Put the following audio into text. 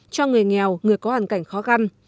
cho người nghèo người có hàn cảnh khó khăn